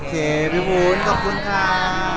โอเคพี่ฟูนขอบคุณค่า